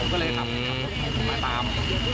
ผมก็เลยกลับมาตาม